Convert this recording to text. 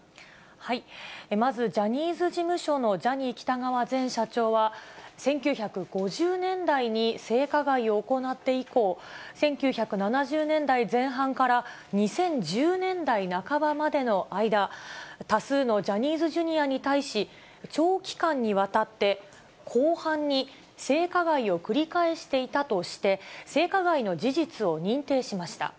まず、ジャニーズ事務所のジャニー喜多川前社長は、１９５０年代に性加害を行って以降、１９７０年代前半から２０１０年代半ばまでの間、多数のジャニーズＪｒ．に対し、長期間にわたって広範に性加害を繰り返していたとして、性加害の事実を認定しました。